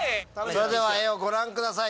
それでは絵をご覧ください